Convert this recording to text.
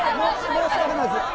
申し訳ないです。